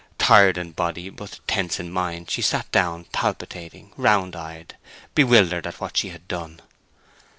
Tired in body but tense in mind, she sat down, palpitating, round eyed, bewildered at what she had done.